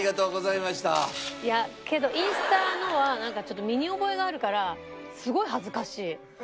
いやけどインスタのはなんかちょっと身に覚えがあるからすごい恥ずかしい。